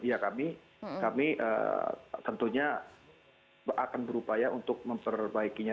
ya kami kami tentunya akan berupaya untuk memperbaikinya